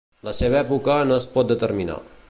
La seva època no es pot determinar.